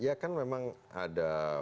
ya kan memang ada